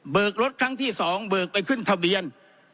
รถครั้งที่๒เบิกไปขึ้นทะเบียน